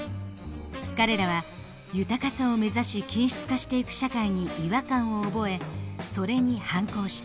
彼らは豊かさを目指し均質化していく社会に違和感を覚えそれに反抗した。